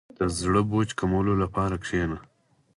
• د زړه بوج کمولو لپاره کښېنه.